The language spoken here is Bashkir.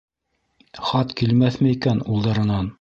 Хат килмәҫме икән улдарынан?